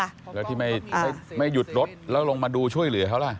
แล้วที่ไม่หยุดรถแล้วลงมาดูช่วยเหลือเขาล่ะ